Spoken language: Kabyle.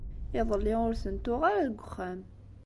Iḍelli ur tent-tuɣ ara deg uxxam.